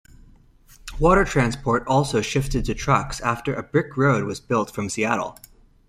Water transport also shifted to trucks after a brick road was built from Seattle.